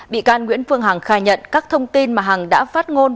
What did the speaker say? bị can nguyễn phương hằng khai nhận các thông tin mà hằng đã phát ngôn